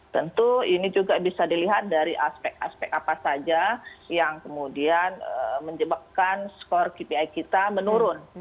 tentu ini juga bisa dilihat dari aspek aspek apa saja yang kemudian menyebabkan skor kpi kita menurun